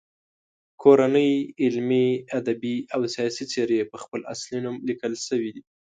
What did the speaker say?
کورنۍ علمي، ادبي او سیاسي څیرې په خپل اصلي نوم لیکل شوي دي.